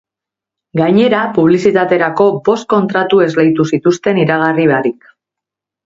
Gainera, publizitaterako bost kontratu esleitu zituzten iragarri barik.